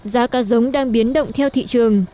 giá cá giống đang biến động theo thị trường